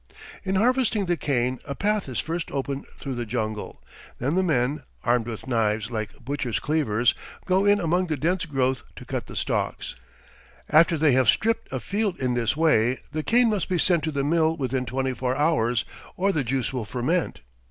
"] In harvesting the cane a path is first opened through the jungle, then the men, armed with knives like butchers' cleavers, go in among the dense growth to cut the stalks. After they have "stripped" a field in this way, the cane must be sent to the mill within twenty four hours, or the juice will ferment.